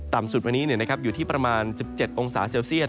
สุดวันนี้อยู่ที่ประมาณ๑๗องศาเซลเซียต